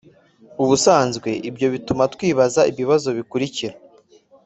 ubusanzwe ibyo bituma twibaza ibibazo bikurikira